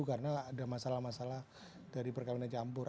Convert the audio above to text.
karena ada masalah masalah dari perkawinan campur